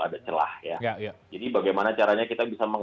ada celah ya jadi bagaimana caranya kita bisa